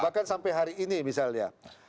bahkan sampai hari ini misalnya